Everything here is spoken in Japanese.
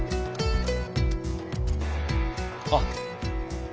あっ。